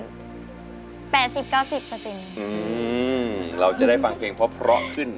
อืมเราจะได้ฟังเพลงเพราะเพราะขึ้น